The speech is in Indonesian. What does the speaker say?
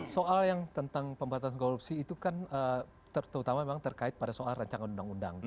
jadi yang pemerintah korupsi itu kan terutama memang terkait pada soal rancangan undang undang